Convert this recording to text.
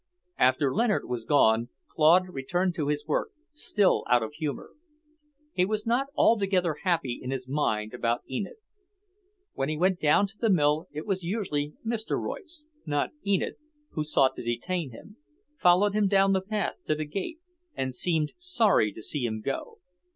After Leonard was gone, Claude returned to his work, still out of humour. He was not altogether happy in his mind about Enid. When he went down to the mill it was usually Mr. Royce, not Enid, who sought to detain him, followed him down the path to the gate and seemed sorry to see him go.